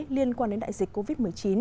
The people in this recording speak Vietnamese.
liên quan đến đại dịch covid một mươi chín